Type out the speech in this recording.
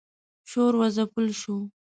شور و ځپل شو.